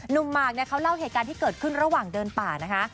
หมากเนี่ยเขาเล่าเหตุการณ์ที่เกิดขึ้นระหว่างเดินป่านะคะ